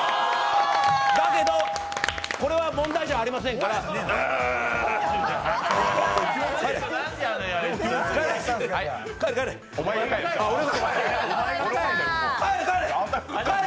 だけどこれは問題じゃありませんから、ブーッ。